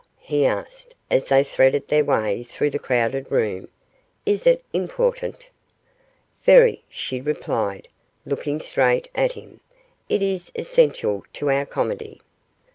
he asked, as they threaded their way through the crowded room. 'Is it important?' 'Very,' she replied, looking straight at him; 'it is essential to our comedy.' M.